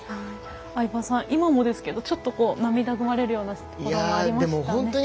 相葉さん、今もですがちょっと涙ぐまれるようなシーンがありましたね。